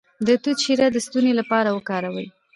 د توت شیره د ستوني لپاره وکاروئ